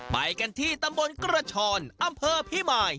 ไปกันที่ตำบลกระชอนอำเภอพิมาย